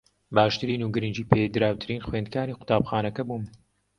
باشترین و گرنگی پێدراوترین خوێندکاری قوتابخانەکە بووم